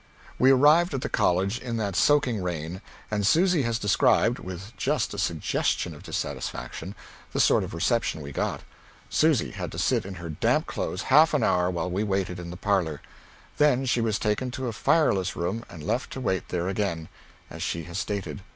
We arrived at the College in that soaking rain, and Susy has described, with just a suggestion of dissatisfaction, the sort of reception we got. Susy had to sit in her damp clothes half an hour while we waited in the parlor; then she was taken to a fireless room and left to wait there again, as she has stated.